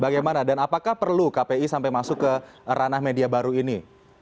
bagaimana dan apakah perlu kpi sampai masuk ke ranah media baru ini